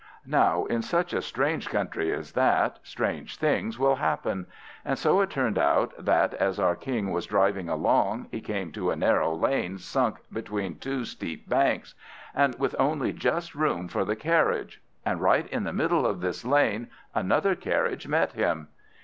Now in such a strange country as that, strange things will happen; and so it turned out that, as our King was driving along, he came to a narrow lane sunk between two steep banks, with only just room for the carriage; and right in the middle of this lane another carriage met him.